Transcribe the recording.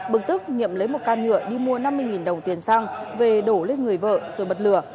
bực tức nhiệm lấy một can nhựa đi mua năm mươi đồng tiền xăng về đổ lên người vợ rồi bật lửa